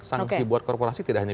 sanksi buat korporasi tidak hanya